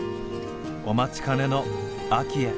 お待ちかねの秋へ。